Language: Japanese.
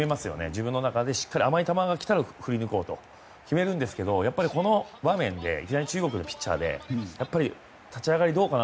自分の中でしっかり甘い球が来たら振り抜こうと決めるんですけどやっぱりこの場面でいきなり中国のピッチャーでやっぱり立ち上がりどうかな